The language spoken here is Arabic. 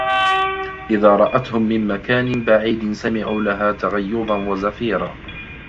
إِذا رَأَتهُم مِن مَكانٍ بَعيدٍ سَمِعوا لَها تَغَيُّظًا وَزَفيرًا